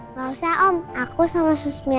nggak usah om aku sama susmil